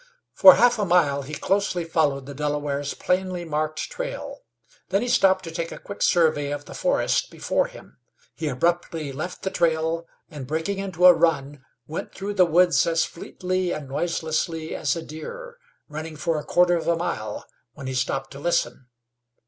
For half a mile he closely followed the Delaware's plainly marked trail. Then he stopped to take a quick survey of the forest before him. He abruptly left the trail, and, breaking into a run, went through the woods as fleetly and noiselessly as a deer, running for a quarter of a mile, when he stopped to listen.